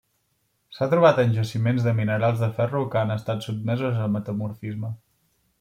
S'ha trobat en jaciments de minerals de ferro que han estat sotmesos a metamorfisme.